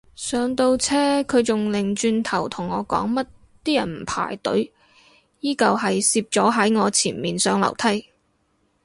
上到車佢仲擰轉頭同我講乜啲人唔排隊，依舊係攝咗喺我前面上樓梯